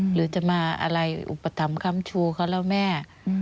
หรือจะมาอะไรอุปถัมธ์คำชูเขาเล่าแม่